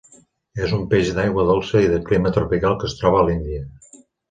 És un peix d'aigua dolça i de clima tropical que es troba a l'Índia.